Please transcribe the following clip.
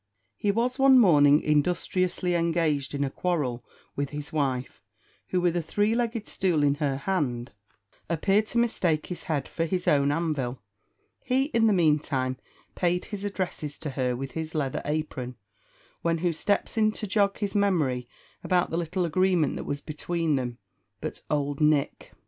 He was one morning industriously engaged in a quarrel with his wife, who, with a three legged stool in her hand, appeared to mistake his head for his own anvil; he, in the meantime, paid his addresses to her with his leather apron, when who steps in to jog his memory about the little agreement that was between them, but old Nick.